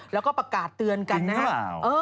แล้วก็ประกาศเตือนกันนะครับ